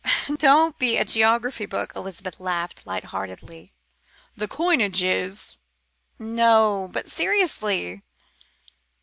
"Don't be a geography book," Elizabeth laughed light heartedly. "The coinage is " "No, but seriously."